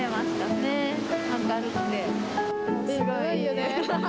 すごいよね。